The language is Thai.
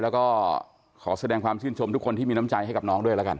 แล้วก็ขอแสดงความชื่นชมทุกคนที่มีน้ำใจให้กับน้องด้วยแล้วกัน